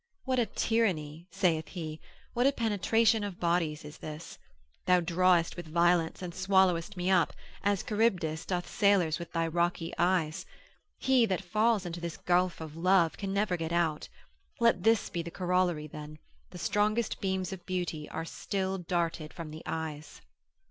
What a tyranny (saith he), what a penetration of bodies is this! thou drawest with violence, and swallowest me up, as Charybdis doth sailors with thy rocky eyes: he that falls into this gulf of love, can never get out. Let this be the corollary then, the strongest beams of beauty are still darted from the eyes.